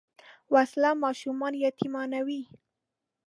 وسله ماشومان یتیمانوي